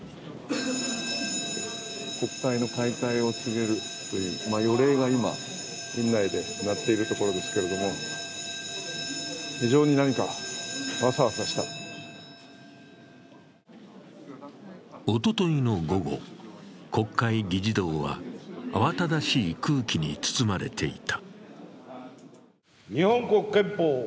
国会の開会を告げる予鈴が今、院内で鳴っているところですけれども、非常に、何かワサワサしたおとといの午後、国会議事堂は慌ただしい空気に包まれていた。